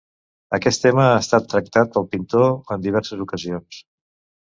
Aquest tema ha estat tractat pel pintor en diverses ocasions.